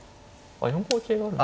あ４五桂がある。